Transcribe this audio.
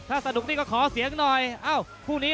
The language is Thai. หรือว่าผู้สุดท้ายมีสิงคลอยวิทยาหมูสะพานใหม่